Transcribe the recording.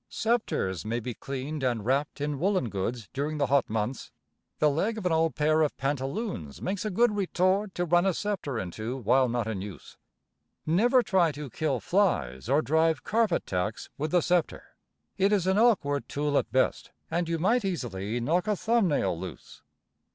Sceptres may be cleaned and wrapped in woolen goods during the hot months. The leg of an old pair of pantaloons makes a good retort to run a sceptre into while not in use. Never try to kill flies or drive carpet tacks with the sceptre. It is an awkward tool at best, and you might 'easily knock a thumb nail loose.